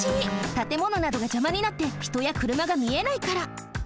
たてものなどがじゃまになってひとやくるまがみえないから。